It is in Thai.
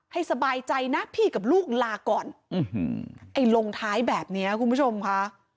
สบายใจนะพี่กับลูกลาก่อนไอ้ลงท้ายแบบนี้คุณผู้ชมค่ะ